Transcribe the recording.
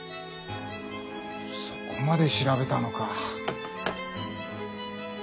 そこまで調べたのか。